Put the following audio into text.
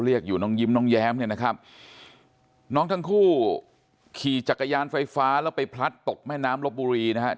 อยู่น้องยิ้มน้องแย้มเนี่ยนะครับน้องทั้งคู่ขี่จักรยานไฟฟ้าแล้วไปพลัดตกแม่น้ำลบบุรีนะครับ